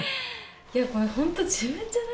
やっぱホント。